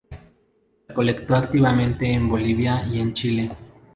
Recolectó activamente en Bolivia y en Chile.